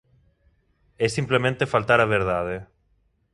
É simplemente faltar á verdade.